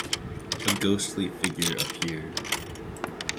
A ghostly figure appeared.